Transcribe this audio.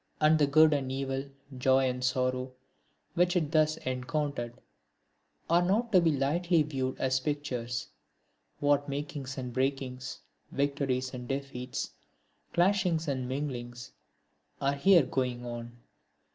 And the good and evil, joy and sorrow, which it thus encountered, are not to be lightly viewed as pictures. What makings and breakings, victories and defeats, clashings and minglings, are here going on!